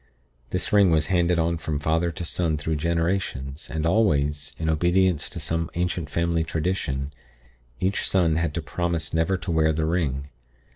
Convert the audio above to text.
This ring was handed on from father to son through generations, and always in obedience to some ancient family tradition each son had to promise never to wear the ring.